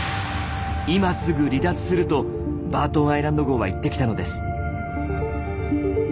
今すぐ離脱する」と「バートンアイランド号」は言ってきたのです。